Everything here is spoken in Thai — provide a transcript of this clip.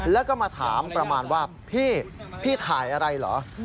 แล้วก็มาถามประมาณว่าพี่พี่ถ่ายอะไรเหรอ